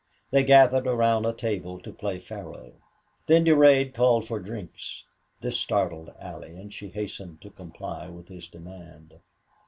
They gathered around a table to play faro. Then Durade called for drinks. This startled Allie and she hastened to comply with his demand.